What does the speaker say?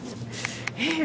えっ！